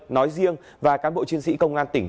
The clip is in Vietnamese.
nói riêng và cán bộ chiến sĩ công an tỉnh